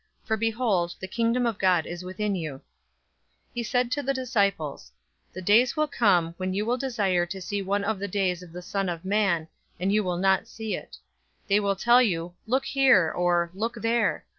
for behold, the Kingdom of God is within you." 017:022 He said to the disciples, "The days will come, when you will desire to see one of the days of the Son of Man, and you will not see it. 017:023 They will tell you, 'Look, here!' or 'Look, there!'